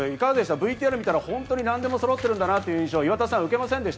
ＶＴＲを見たら本当に何でもそろってるんだなという印象を受けませんでした？